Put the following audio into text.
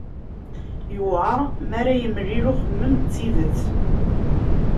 Yuɛer mi ara yemlil uxemmem d tidet.